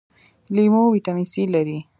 لیمو ویټامین سي لري